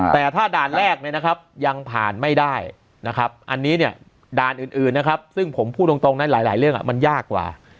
แต่ถ้าด่านแรกยังผ่านไม่ได้อันนี้ด่านอื่นซึ่งผมพูดตรงในหลายเรื่องมันยากกว่า